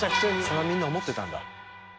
それはみんな思ってたんだ。